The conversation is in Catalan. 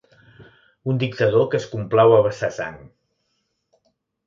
Un dictador que es complau a vessar sang.